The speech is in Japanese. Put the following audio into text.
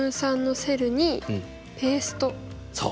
そう。